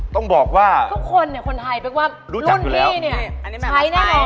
ต้องบอกว่ารุ่นพี่เนี่ยใช้แน่นอน